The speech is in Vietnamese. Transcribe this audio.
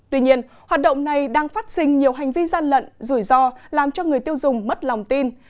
tuy nhiên hoạt động này đang phát sinh nhiều hành vi gian lận rủi ro làm cho người tiêu dùng mất lòng tin